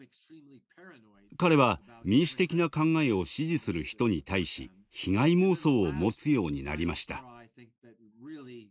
彼は民主的な考えを支持する人に対し被害妄想を持つようになりました。